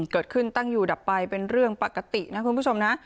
เกิดขึ้นตั้งอยู่ดับไปเป็นเรื่องปกตินะคุณผู้ชมนะ